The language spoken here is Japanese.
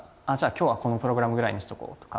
今日はこのプログラムぐらいにしておこうとか。